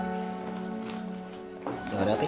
enggak ada pi